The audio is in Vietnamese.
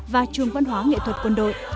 và trường văn hóa nghệ thuật quân đội